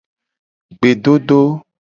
Gbedodo.